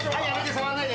触んないで。